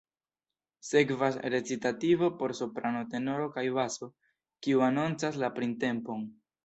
Sekvas recitativo por soprano, tenoro kaj baso, kiu anoncas la printempon.